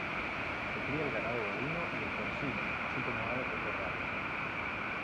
Se cría el ganado bovino y el porcino, así como aves de corral.